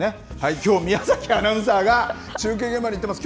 きょうは宮崎アナウンサーが中継現場に行ってます。